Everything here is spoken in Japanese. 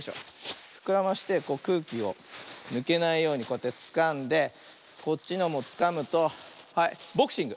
ふくらましてくうきをぬけないようにこうやってつかんでこっちのもつかむとはいボクシング。